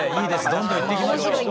どんどん言っていきましょう。